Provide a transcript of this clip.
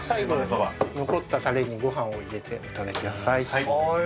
残ったたれにご飯を入れてお食べください。